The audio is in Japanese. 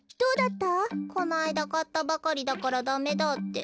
このあいだかったばかりだからダメだって。